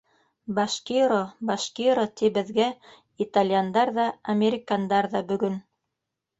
Башкиро, башкиро, ти беҙгә итальяндар ҙа, американдар ҙа бөгөн.